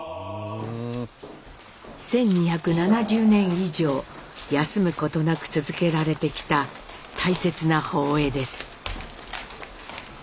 １，２７０年以上休むことなく続けられてきた大切な法会です。